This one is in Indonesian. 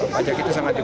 pajak itu sangat penting